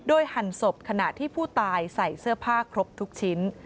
หั่นศพขณะที่ผู้ตายใส่เสื้อผ้าครบทุกชิ้น